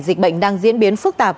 dịch bệnh đang diễn biến phức tạp